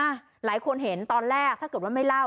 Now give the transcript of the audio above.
หลายคนเห็นตอนแรกถ้าเกิดว่าไม่เล่า